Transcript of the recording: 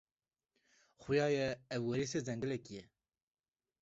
Xuya ye, ev werîsê zengilekî ye.